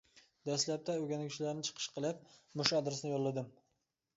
دەسلەپتە ئۆگەنگۈچىلەرنى چىقىش قىلىپ، مۇشۇ ئادرېسنى يوللىدىم.